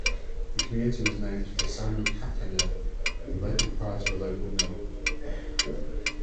The community was named for Samuel Caplinger, the proprietor of a local mill.